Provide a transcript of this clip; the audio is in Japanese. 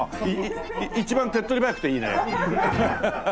一番手っ取り早くていいね。